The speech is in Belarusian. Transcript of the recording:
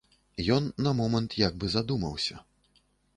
Ён на момант як бы задумаўся.